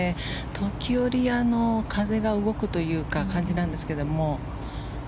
時折風が動くという感じなんですけれども。